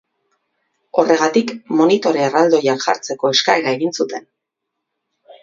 Horregatik, monitore erraldoiak jartzeko eskaera egiten zuten.